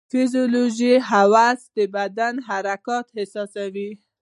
فزیولوژیکي حواس د بدن حرکت احساسوي.